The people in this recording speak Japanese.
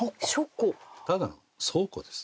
ただの倉庫です。